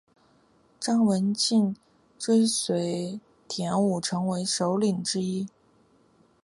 张文庆追随田五成为首领之一。